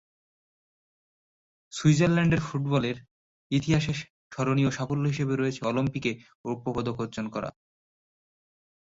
সুইজারল্যান্ডের ফুটবলে ইতিহাসে স্মরণীয় সাফল্য হিসেবে রয়েছে অলিম্পিকে রৌপ্যপদক অর্জন করা।